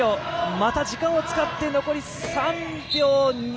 また時間を使って残り３秒。